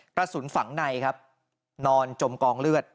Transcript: กระสุนฝังในครับนอนจมกองเลือด